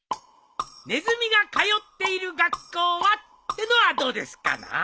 「ネズミが通っている学校は？」ってのはどうですかな。